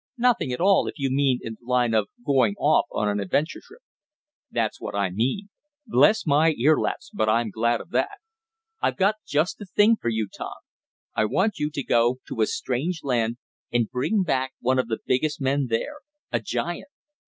"Nothing at all, if you mean in the line of going off on an adventure trip." "That's what I mean. Bless my earlaps! but I'm glad of that. I've got just the thing for you. Tom, I want you to go to a strange land, and bring back one of the biggest men there a giant!